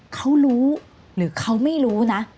เขารู้หรือเขาไม่รู้นะ